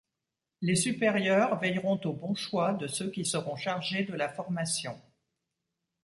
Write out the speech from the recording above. Les supérieurs veilleront au bon choix de ceux qui seront chargés de la formation.